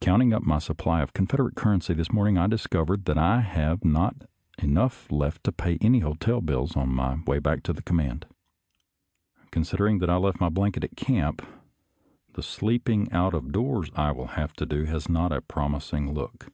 Counting up my supply of Confederate currency this morning, I discovered that I have not enough left to pay any hotel bills on my way back to the command. Consid ering that I left my blanket at camp, the sleep ing out of doors I will have to do has not a prom ising look.